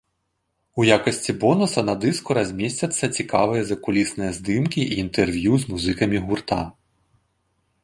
У якасці бонуса на дыску размесцяцца цікавыя закулісныя здымкі і інтэрв'ю з музыкамі гурта.